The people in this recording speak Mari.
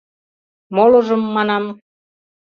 Молыжым, манам.